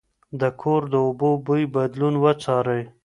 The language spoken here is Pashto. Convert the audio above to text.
د کور د اوبو بوی بدلون وڅارئ.